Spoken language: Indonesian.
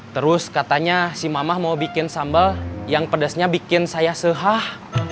terus katanya si mamah mau bikin sambal yang pedasnya bikin saya sehah